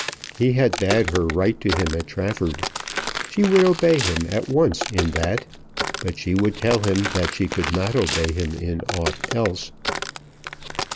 He had bade her write to him at Trafford. She would obey him at once in that; but she would tell him that she could not obey him in aught else.